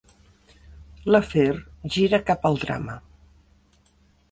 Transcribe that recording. L'afer gira cap al drama.